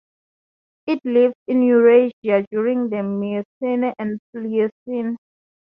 It lived in Eurasia during the Miocene and Pliocene.